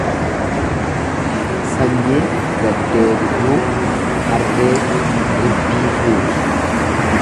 Sanyiin gaddeebituu harree ribbii fuuti.